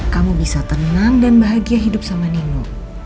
kamu bisa tenang dan bahagia hidup sama nino